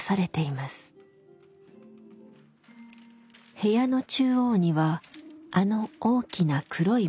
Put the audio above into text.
部屋の中央にはあの大きな黒い模造紙。